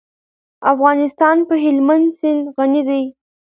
افغانستان په هلمند سیند غني دی.